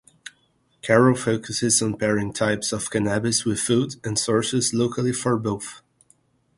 Carroll focuses on pairing types of cannabis with food and sources locally for both.